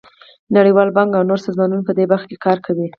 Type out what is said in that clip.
آیا ټرافیکي ګڼه ګوڼه د وخت ضایع ده؟